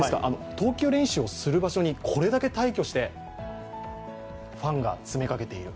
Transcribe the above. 投球練習をする場所にこれだけ大挙してファンが詰めかけている。